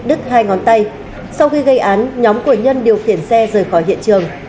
đứt hai ngón tay sau khi gây án nhóm của nhân điều khiển xe rời khỏi hiện trường